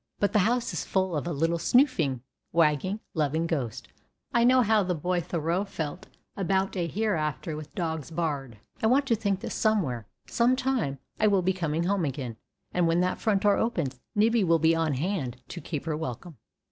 But the house is full of a little snoofing, wagging, loving ghost. I know how the boy Thoreau felt about a hereafter with dogs barred. I want to think that somewhere, some time, I will be coming home again, and that when the door opens Nibbie will be on hand to caper welcome.